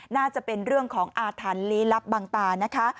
น่าจะเป็นเรื่องของอาถรรพ์ลี้ลับบางตานะคะ